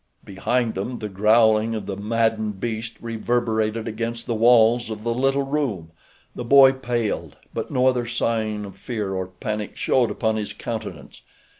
Behind them the growling of the maddened beast reverberated against the walls of the little room. The boy paled, but no other sign of fear or panic showed upon his countenance.